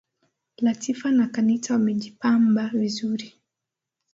Latifa na Kanita wamejipamba vizuri.